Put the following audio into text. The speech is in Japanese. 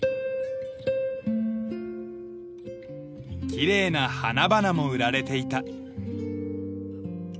きれいな花々も売られていた。